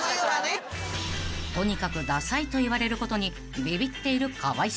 ［とにかくダサいと言われることにビビっている河合さん］